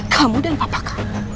kamu dan papakan